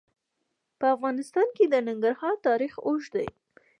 په افغانستان کې د ننګرهار تاریخ اوږد دی.